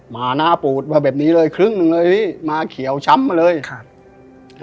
มาหน้าปูดมาแบบนี้เลยครึ่งหนึ่งเลยพี่มาเขียวช้ำมาเลยครับ